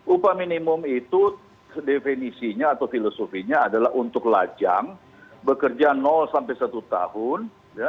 upah minimum itu definisinya atau filosofinya adalah untuk lajang bekerja sampai satu tahun